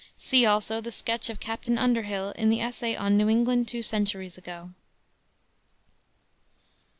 See also the sketch of Captain Underhill in the essay on New England Two Centuries Ago.